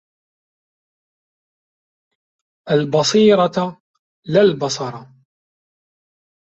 البصيرة.. لا البصر.